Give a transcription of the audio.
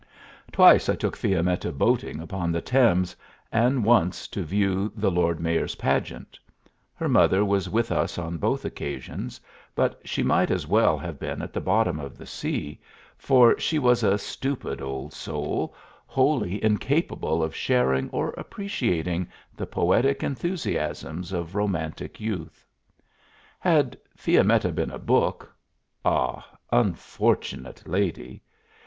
Twice I took Fiammetta boating upon the Thames and once to view the Lord Mayor's pageant; her mother was with us on both occasions, but she might as well have been at the bottom of the sea, for she was a stupid old soul, wholly incapable of sharing or appreciating the poetic enthusiasms of romantic youth. Had Fiammetta been a book ah, unfortunate lady!